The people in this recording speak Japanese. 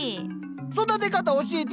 育て方教えてよ。